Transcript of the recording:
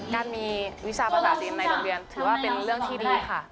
การมีวิชาภาษาจีนในโรงเรียนถือว่าเป็นเรื่องที่ดีค่ะ